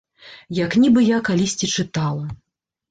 Як нібы я калісьці чытала.